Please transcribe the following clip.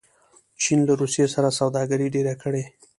چین له روسیې سره سوداګري ډېره کړې.